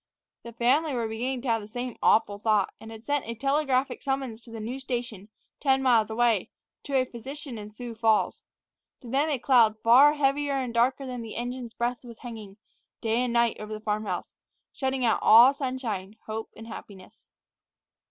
The family were beginning to have the same awful thought, and had sent a telegraphic summons from the new station, ten miles away, to a physician in Sioux Falls. To them a cloud far heavier and darker than the engine's breath was hanging, day and night, over the farm house, shutting out all sunshine, hope, and happiness.